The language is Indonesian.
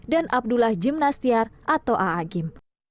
dan abdullah jimnastiar atau a'agim